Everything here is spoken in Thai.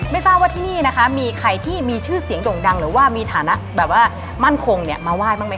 ไม่ทราบว่าที่นี่นะคะมีใครที่มีชื่อเสียงด่งดังหรือว่ามีฐานะแบบว่ามั่นคงเนี่ยมาไหว้บ้างไหมค